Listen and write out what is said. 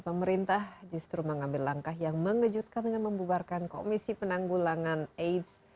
pemerintah justru mengambil langkah yang mengejutkan dengan membubarkan komisi penanggulangan aids